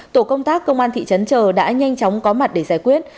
tổ công tác công an thị trấn chờ đã nhanh chóng có mặt để giải quyết